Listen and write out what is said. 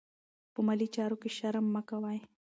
په مالي چارو کې شرم مه کوئ.